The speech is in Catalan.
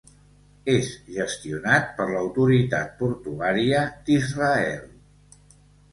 És gestionat per l'Autoritat Portuària d'Israel.